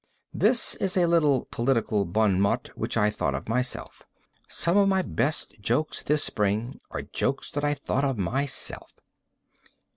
(This is a little political bon mot which I thought of myself. Some of my best jokes this spring are jokes that I thought of myself.)